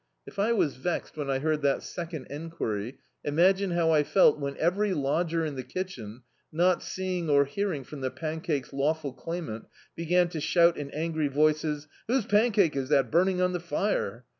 If I was vexed when I heard that second enquiry, imagine how I felt when every lodger in the kitchen, not see ing or hearing from the pancake's lawful claimant, began to shout in angry voices, "Whose pancake is that burning on the fire?"